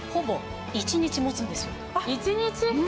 １日。